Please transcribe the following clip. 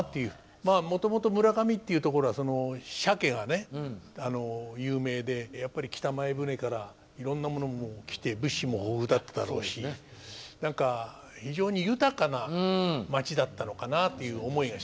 まあもともと村上っていうところはシャケがね有名でやっぱり北前船からいろんなものも来て物資も豊富だったろうし何か非常に豊かなまちだったのかなという思いがしますね。